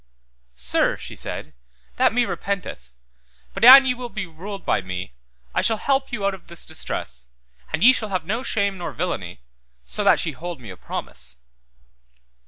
Sir, she said, that me repenteth, but an ye will be ruled by me, I shall help you out of this distress, and ye shall have no shame nor villainy, so that ye hold me a promise.